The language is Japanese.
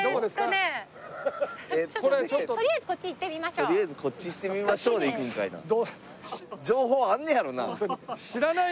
「とりあえずこっち行ってみましょう」で行くんかいな。